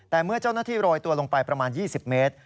แต่เมื่อเจ้าหน้าที่โรยตัวลงไปประมาณ๒๐เมตร